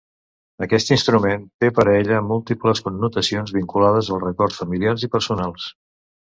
Aquest instrument té per a ella múltiples connotacions vinculades als records familiars i personals.